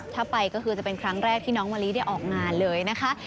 ถ้าไปก็คือจะเป็นครั้งแรกที่น้องมะลิได้ออกงานเลยนะคะ